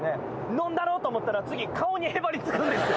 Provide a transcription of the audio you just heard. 飲んだろう！と思ったら次顔にへばりつくんですよ。